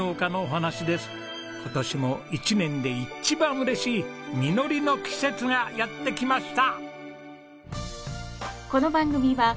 今年も一年で一番嬉しい実りの季節がやってきました！